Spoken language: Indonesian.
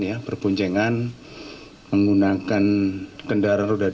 yang berpuncengan menggunakan kendaraan roda dua